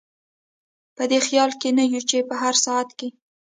په دې خیال کې نه یو چې په هر ساعت کې.